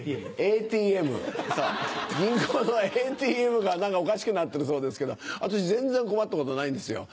ＡＴＭそう銀行のＡＴＭがおかしくなってるそうですけど私全然困ったことないんですよ。